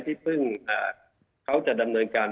ที่เพิ่งเขาจะดำเนินการ